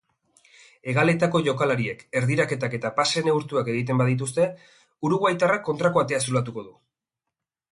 Hegaletako jokalariek erdiraketak eta pase neurtuak egiten badituzte uruguaitarrak kontrako atea zulatuko du.